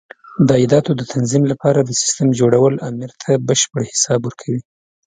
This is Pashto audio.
د عایداتو د تنظیم لپاره د سیسټم جوړول امیر ته بشپړ حساب ورکوي.